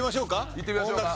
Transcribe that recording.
いってみましょうか。